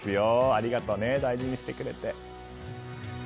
ありがとうね、大事にしてくれて。